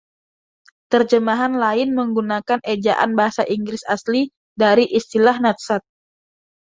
Terjemahan lain menggunakan ejaan bahasa Inggris asli dari istilah Nadsat.